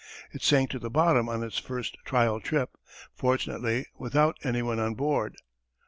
It sank to the bottom on its first trial trip, fortunately without anyone on board.